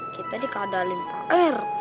kita dikadalin pak rt